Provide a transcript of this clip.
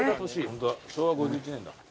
ホントだ昭和５１年だ。